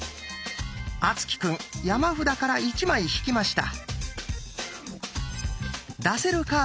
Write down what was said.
敦貴くん山札から１枚引きました。